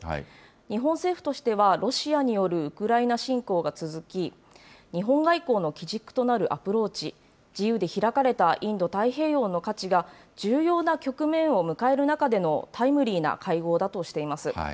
日本政府としては、ロシアによるウクライナ侵攻が続き、日本外交の基軸となるアプローチ、自由で開かれたインド太平洋の価値が重要な局面を迎える中でのタイムリーな会合だとしています。